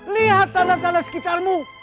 lihat tanda tanda sekitarmu